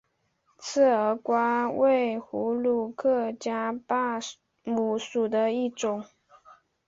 刺儿瓜为葫芦科假贝母属下的一个种。